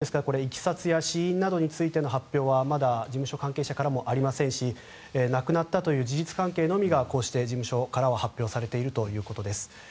ですからこれ、いきさつや死因などについての発表はまだ事務所関係者からもありませんし亡くなったという事実関係のみがこうして事務所からは発表されているということです。